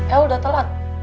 el udah telat